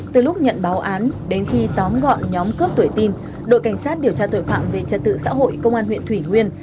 từ lúc nhận báo án đến khi tóm gọn nhóm cướp đuổi tin đội cảnh sát điều tra tội phạm về trật tự xã hội công an huyện thủy nguyên